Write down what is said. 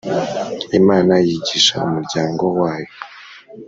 Imana yigisha umuryango wayo